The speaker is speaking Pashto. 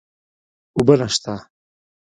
اوبه نشته